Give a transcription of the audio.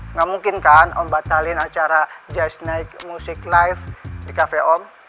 enggak mungkin kan om batalin acara jazz naik musik live di cafe om